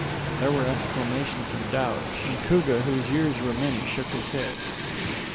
There were exclamations of doubt, and Koogah, whose years were many, shook his head.